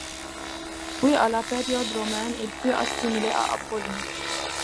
Puis à la période romaine, il fut assimilé à Apollon.